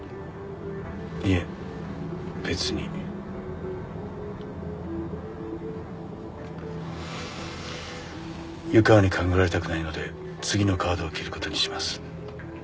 いえ別に湯川に勘ぐられたくないので次のカードを切ることにします